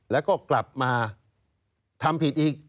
แล้วก็กลับมาทำผิดอีก